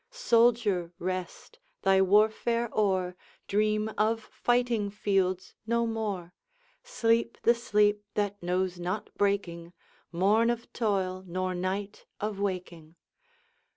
Soldier, rest! thy warfare o'er, Dream of fighting fields no more; Sleep the sleep that knows not breaking, Morn of toil, nor night of waking.